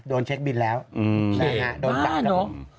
โดนเช็คบินแล้วนะครับโดนตายครับผมอืมโอเคมาน่ะน้อง